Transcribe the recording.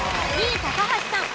２位高橋さん。